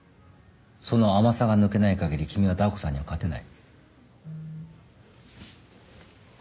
その甘さが抜けないかぎり君はダー子さんには勝てない。